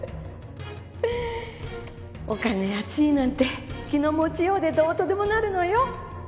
お金や地位なんて気の持ちようでどうとでもなるのよ。